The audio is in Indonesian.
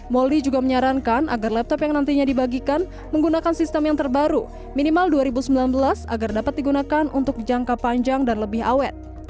mouldie juga menyarankan agar laptop yang nantinya dibagikan menggunakan sistem yang terbaru minimal dua ribu sembilan belas agar dapat digunakan untuk jangka panjang dan lebih awet